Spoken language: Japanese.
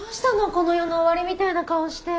この世の終わりみたいな顔して。